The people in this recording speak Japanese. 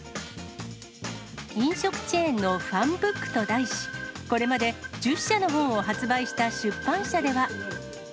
飲食チェーンのファンブックと題し、これまで１０社の本を発売した出版社では。